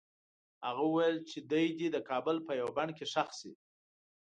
هغه وویل چې دی دې د کابل په یوه بڼ کې ښخ شي.